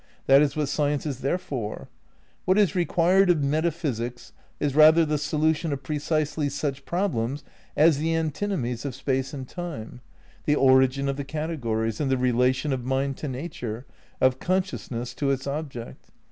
That is what science is there for. What is re quired of metaphysics is rather the solution of pre cisely such problems as the antinomies of Space and Time, the origin of the categories and the relation of mind to nature, of consciousness to its object.